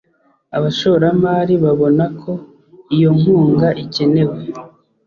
abashoramari babona ko iyo nkunga ikenewe